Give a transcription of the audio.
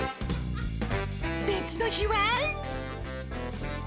別の日は。